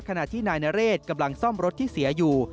ขณะที่นายนเรศกำลังซ่อมรถที่เสียอยู่